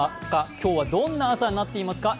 今日はどんな朝になっていますか？